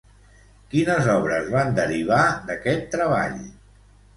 Quines obres van derivar d'aquest treball?